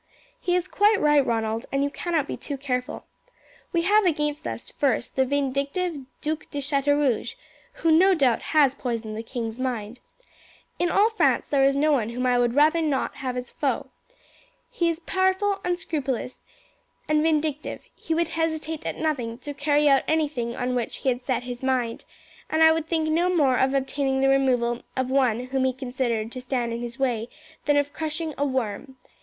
"He is quite right, Ronald, and you cannot be too careful. We have against us, first, this vindictive Duc de Chateaurouge, who, no doubt, has poisoned the king's mind. In all France there is no one whom I would not rather have as a foe. He is powerful, unscrupulous, and vindictive; he would hesitate at nothing to carry out anything on which he had set his mind, and would think no more of obtaining the removal of one whom he considered to stand in his way than of crushing a worm.